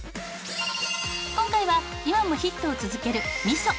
今回は今もヒットを続けるみそ。